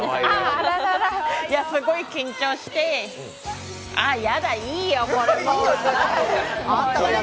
あららら、すごい緊張してあやだ、いいよ、これもう。